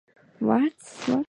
What? What?